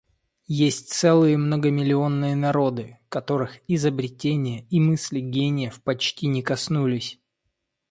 Есть целые многомиллионные народы, которых изобретения и мысли гениев почти не коснулись.